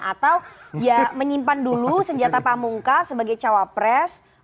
atau ya menyimpan dulu senjata pamungka sebagai jawab pres